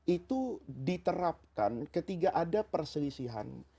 itu diterapkan ketika ada perselisihan